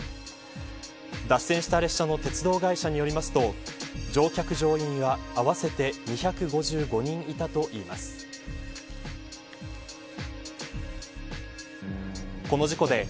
脱線した列車の鉄道会社によりますと乗客、乗員合わせて２５５人いたということです。